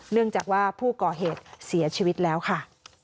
เนื่องจากว่าผู้ก่อเหตุเสียชีวิตแล้วค่ะ